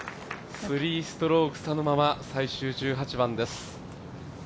３ストローク差のまま、最終１８番です。